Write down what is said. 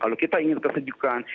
kalau kita ingin kesejukan